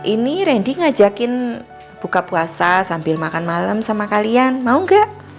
ini randy ngajakin buka puasa sambil makan malam sama kalian mau gak